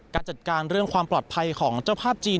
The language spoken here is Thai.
การจัดการเรื่องความปลอดภัยของเจ้าภาพจีน